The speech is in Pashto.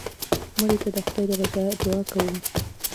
مړه ته د خدای د رضا دعا کوو